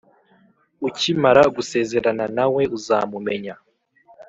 ukimara gusezerana nawe uzamumenya